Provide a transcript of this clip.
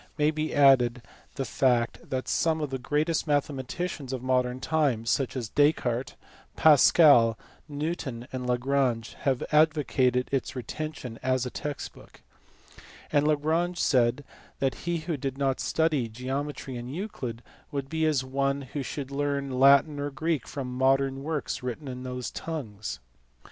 57 be added the fact that some of the greatest mathematicians of modern times, such as Descartes, Pascal, Newton, and Lagrange, have advocated its retention as a text book: and Lagrange said that he who did not study geometry in Euclid would be as one who should learn Latin and Greek from modern works written in those tongues.